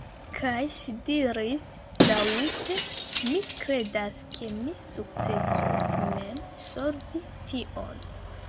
Kaj ŝi diris laŭte: "Mi kredas ke mi sukcesos mem solvi tion."